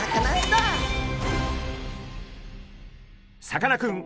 さかなクン